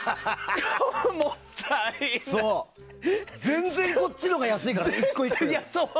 全然こっちのほうが安いからね。